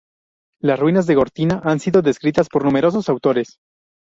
Las ruinas de Gortina han sido descritas por numerosos autores.